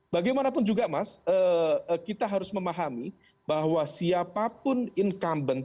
bagaimanapun juga mas kita harus memahami bahwa siapapun incumbent